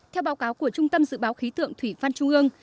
theo báo cáo của trung tâm dự báo khí tượng thủy văn trung ương